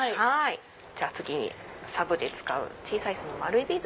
じゃあ次にサブで使う小さい丸いビーズ。